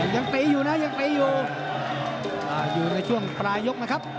ยังตีอยู่นะยังตีอยู่อ่าอยู่ในช่วงปลายยกนะครับ